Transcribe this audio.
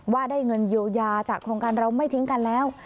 ว่าได้เงินเยียวยาจากโครงการเราไม่ทิ้งกันแล้ว